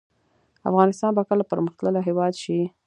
افغانستان به کله پرمختللی هیواد شي؟